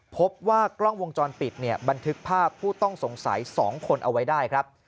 พบว่ากล้องวงจรปิดเนี่ยบันทึกภาพผู้ต้องสงสัย๒คนเอาไว้ได้ครับ